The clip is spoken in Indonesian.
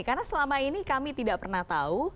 karena selama ini kami tidak pernah tahu